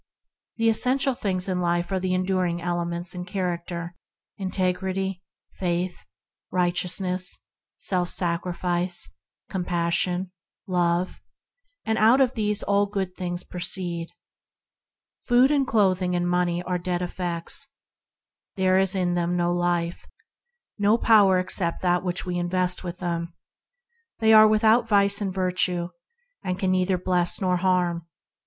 The essential things in life are the enduring elements in character: integrity, faith, righteousness, self sacrifice, compas sion, love; and out of these all good things 36 ENTERING THE KINGDOM proceed. Food, clothing, and money are inanimate effects; there is in them no life, no power except that with which we invest them. They are without vice and virtue and can neither bless nor harm.